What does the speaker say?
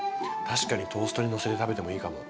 確かにトーストにのせて食べてもいいかも。